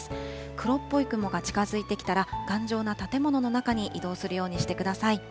黒っぽい雲が近づいてきたら、頑丈な建物の中に移動するようにしてください。